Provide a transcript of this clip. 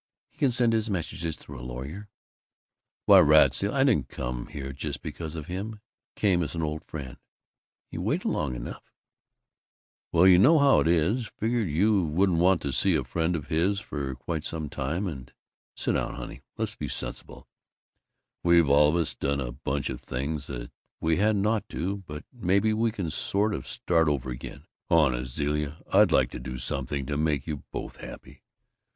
"He can send his messages through a lawyer." "Why, rats, Zilla, I didn't come just because of him. Came as an old friend." "You waited long enough!" "Well, you know how it is. Figured you wouldn't want to see a friend of his for quite some time and Sit down, honey! Let's be sensible. We've all of us done a bunch of things that we hadn't ought to, but maybe we can sort of start over again. Honest, Zilla, I'd like to do something to make you both happy.